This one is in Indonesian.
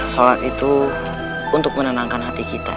sholat itu untuk menenangkan hati kita